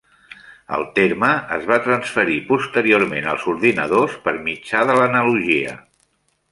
El terme es va transferir posteriorment als ordinadors per mitjà de l"analogia.